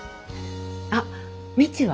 あっ未知は？